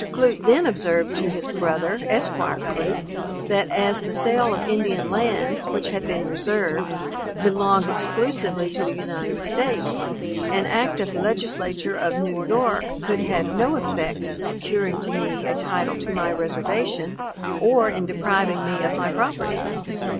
Clute then observed to his brother, Esq. Clute, that as the sale of Indian lands, which had been reserved, belonged exclusively to the United States, an act of the Legislature of New York could have no effect in securing to me a title to my reservation, or in depriving me of my property.